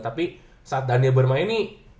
tapi saat daniel bermain ini